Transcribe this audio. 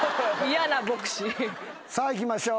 さあいきましょう。